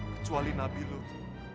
kecuali nabi lut